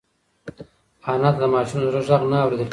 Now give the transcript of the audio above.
انا ته د ماشوم د زړه غږ نه اورېدل کېده.